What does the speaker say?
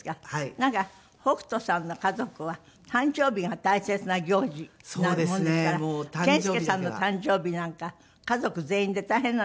なんか北斗さんの家族は誕生日が大切な行事なもんですから健介さんの誕生日なんか家族全員で大変なんですって？